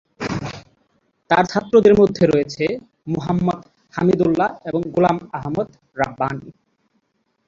তার ছাত্রদের মধ্যে রয়েছেঃ মুহাম্মদ হামিদুল্লাহ এবং গোলাম আহমদ রাব্বানী।